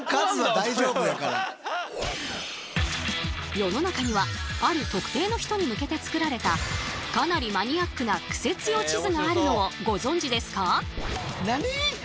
世の中にはある特定の人に向けて作られたかなりマニアックなクセ強地図があるのをご存じですか？